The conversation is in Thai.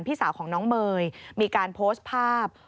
พี่สาวของน้องเมย์มีการโพสต์ภาพ